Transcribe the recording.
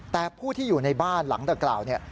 แต่ผู้ที่อยู่ในบ้านหลังดังกล่าวเนี่ย